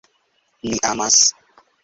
Mi amas!